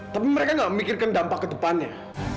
tapi mereka gak mikirkan dampak ke depannya